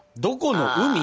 どこの海？